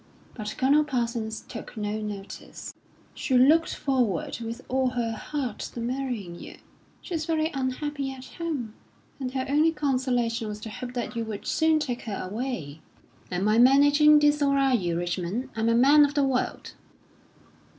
But Colonel Parsons took no notice. "She looked forward with all her heart to marrying you. She's very unhappy at home, and her only consolation was the hope that you would soon take her away." "Am I managing this or are you, Richmond? I'm a man of the world."